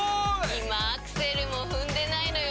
今アクセルも踏んでないのよ